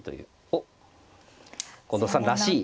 おっ近藤さんらしい。